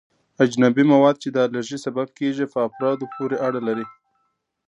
اجنبي مواد چې د الرژي سبب کیږي په افرادو پورې اړه لري.